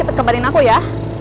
cepet kembarin aku ya